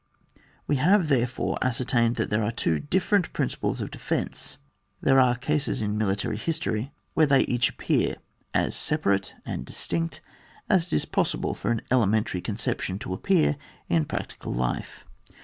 We have, therefore, ascertained that there are two different principles of de fence ; there are cases in militaxy history where they each appear as separate and distinct as it is possible for an elementaiy conception to appear in practical life.